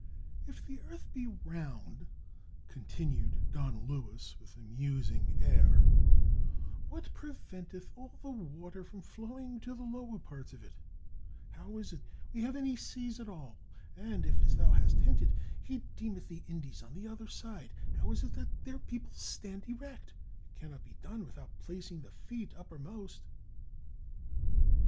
"If the earth be round," continued Don Luis, with a musing air, "what preventeth all the water from flowing to the lower parts of it? How is it that we have any seas at all? and, if, as thou hast hinted, he deemeth the Indies on the other side, how is it that their people stand erect? — it cannot be done without placing the feet uppermost."